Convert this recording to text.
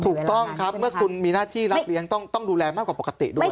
ถูกต้องครับเมื่อคุณมีหน้าที่รับเลี้ยงต้องดูแลมากกว่าปกติด้วย